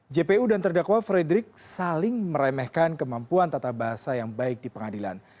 jpu dan terdakwa frederick saling meremehkan kemampuan tata bahasa yang baik di pengadilan